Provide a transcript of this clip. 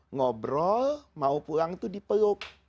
ngobrol mau pulang itu dipeluk